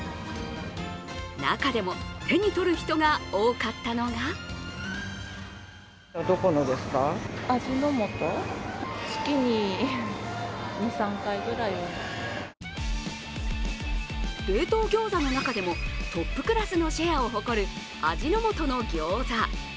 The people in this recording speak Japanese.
中でも手に取る人が多かったのが冷凍ギョーザの中でもトップクラスのシェアを誇る味の素のギョーザ。